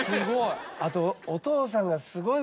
あと。